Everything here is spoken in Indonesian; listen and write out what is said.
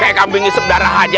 kayak kambing isep darah aja